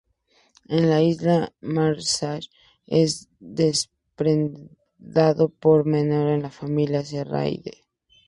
En las Islas Marshall es depredado por meros, de la familia Serranidae.